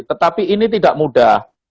tetapi ini tidak mudah